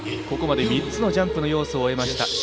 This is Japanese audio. ここまで３つのジャンプの要素を終えました。